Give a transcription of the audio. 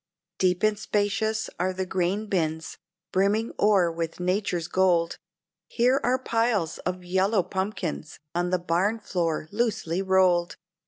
Deep and spacious are the grain bins, brimming o'er with nature's gold; Here are piles of yellow pumpkins on the barn floor loosely rolled.